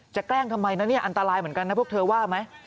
แกล้งทำไมนะเนี่ยอันตรายเหมือนกันนะพวกเธอว่าไหม